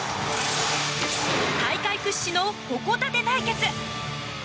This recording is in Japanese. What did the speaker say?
大会屈指の矛盾対決。